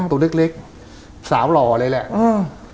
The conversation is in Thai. ตัวเล็กเล็กสาวหล่อเลยแหละอืม